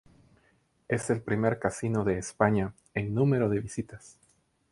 Es el primer casino de España en número de visitas.